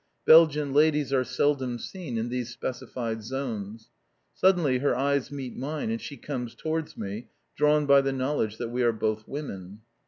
Belgian ladies are seldom seen in these specified zones. Suddenly her eyes meet mine, and she comes towards me, drawn by the knowledge that we are both women.